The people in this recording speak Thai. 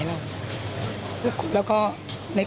เขาบอกแล้วว่าไง